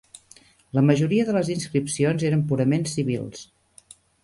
La majoria de les inscripcions eren purament civils